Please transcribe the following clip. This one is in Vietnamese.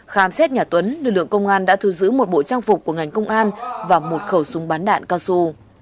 khám xét nhà tuấn lực lượng công an đã thu giữ một bộ trang phục của ngành công an và một khẩu súng bắn đạn cao su